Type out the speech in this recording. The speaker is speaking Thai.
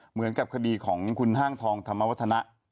เหมือนกับคดีของคุณห้างทองธรรมวัฒนะ